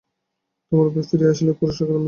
তোমার ভাই ফিরিয়া আসিলে পুরস্কার মিলিবে।